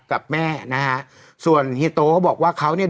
กับแม่นะฮะส่วนเฮียโตเขาบอกว่าเขาเนี่ย